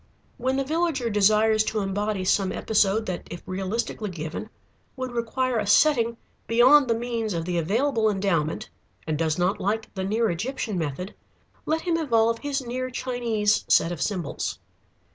When the villager desires to embody some episode that if realistically given would require a setting beyond the means of the available endowment, and does not like the near Egyptian method, let him evolve his near Chinese set of symbols.